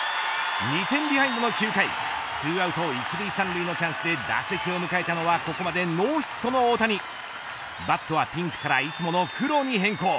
２点ビハインドの９回２アウト１塁３塁のチャンスで打席を迎えたのはここまでノーヒットの大谷バットはピンクからいつもの黒に変更。